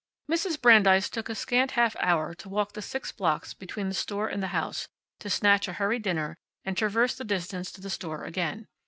Mrs. Brandeis took a scant half hour to walk the six blocks between the store and the house, to snatch a hurried dinner, and traverse the distance to the store again.